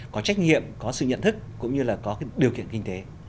có trách nhiệm có sự nhận thức cũng như là có cái điều kiện kinh tế